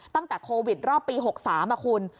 ตั้งแต่โควิดรอบปี๖๓คุณ